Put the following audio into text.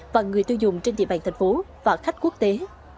và người tiêu dùng trên địa bàn thành phố và khách quốc tế